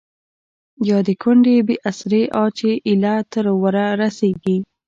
يا َد کونډې بې اسرې آه چې ا يله تر ورۀ رسيږي